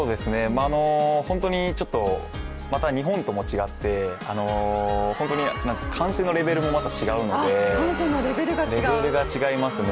本当にちょっとまた日本とも違って本当に歓声のレベルもまた違うのでレベルが違いますね